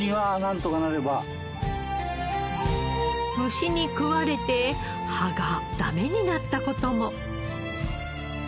虫に食われて葉がダメになった事も。